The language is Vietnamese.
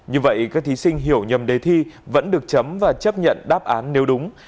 như vậy các thí sinh hiểu nhầm đề thi vẫn được chấm và chấp nhận đáp án nếu đúng